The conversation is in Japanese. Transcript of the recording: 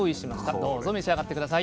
どうぞ召し上がって下さい。